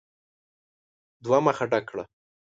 دوه مخه ډک کړه !